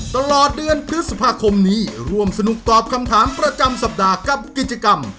ตลอดเดือนพฤษภาคมนี้ร่วมสนุกตอบคำถามประจำสัปดาห์กับกิจกรรม